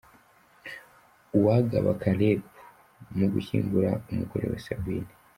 Uwagaba Caleb mu gushyingura umugore we Sabine